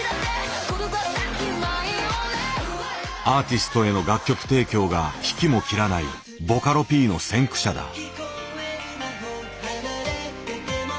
アーティストへの楽曲提供が引きも切らないボカロＰの先駆者だ。